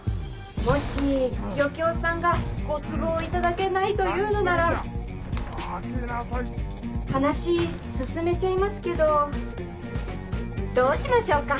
もし漁協さんがご都合いただけないと言うのなら話進めちゃいますけどどうしましょうか？